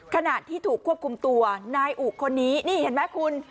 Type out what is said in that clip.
ขณะที่ถูกควบคุมตัวนายอุคนนี้นี่เห็นไหมคุณ